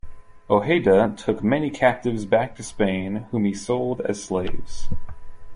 Ojeda took many captives back to Spain whom he sold as slaves.